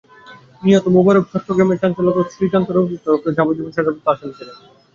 নিহত মোবারক চট্টগ্রামের চাঞ্চল্যকর শ্রীকান্ত রক্ষিত হত্যা মামলার যাবজ্জীবন সাজাপ্রাপ্ত আসামি ছিলেন।